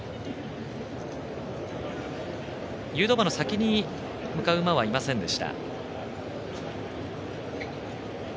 誘導馬の先に向かう馬はいませんでした。